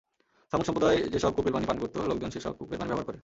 ছামূদ সম্প্রদায় যেসব কূপের পানি পান করত, লোকজন সেসব কূপের পানি ব্যবহার করে।